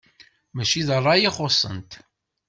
Mačči d ṛṛay i xuṣṣent.